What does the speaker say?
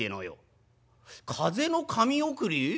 「風の神送り？